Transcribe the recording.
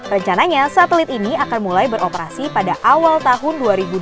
rencananya satelit ini akan mulai beroperasi pada awal tahun dua ribu dua puluh